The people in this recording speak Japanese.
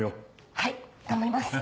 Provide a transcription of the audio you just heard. はい頑張ります。